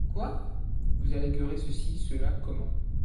Quoi ! vous alléguerez ceci, cela, comment